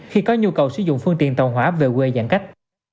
khi có nhu cầu sử dụng phương tiện tàu hỏa về quê giãn cách